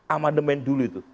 amandemen dulu itu